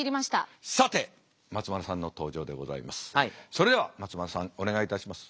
それでは松丸さんお願いいたします。